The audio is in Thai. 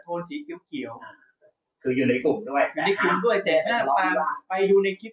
ตอนนี้ก็เป็นตัวมันนะครับ